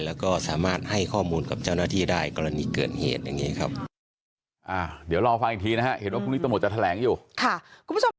แล้วก็สามารถให้ข้อมูลกับเจ้าหน้าที่ได้กรณีเกิดเหตุอย่างนี้ครับ